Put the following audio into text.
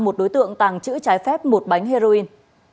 một đối tượng tàng trữ trái phép một bánh heroin